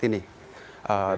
masalah dengan kartu kredit ini